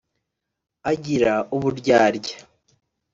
Agira uburyarya